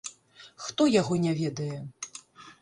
Хто яго не ведае.